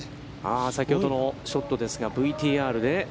先ほどのショットですが、ＶＴＲで。